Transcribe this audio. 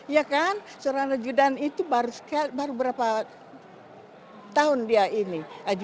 ya kan seorang rejudan itu baru berapa tahun dia ini